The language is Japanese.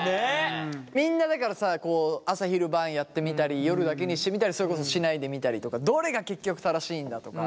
みんなだからさ朝昼晩やってみたり夜だけにしてみたりそれこそしないでみたりとかどれが結局正しいんだとか。